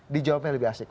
di jawabnya lebih asik